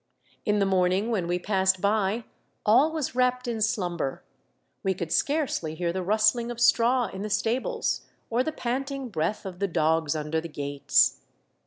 In the morning when we passed by, all was wrapped in slumber ; we could scarcely hear the rustling of straw in the stables, or the panting breath of the dogs under the gates.